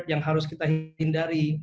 yang harus kita hindari